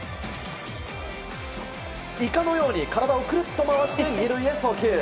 イカのように体をくるっと回して２塁へ送球。